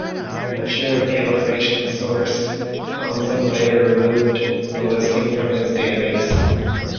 Unsure of the information's source, Hounsome later removed the listing from his database.